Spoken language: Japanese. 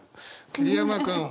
桐山君。